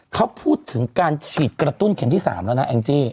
เขาพูดถึงการฉีดกระตุ้นเข็มที่๓แล้วนะแองจี้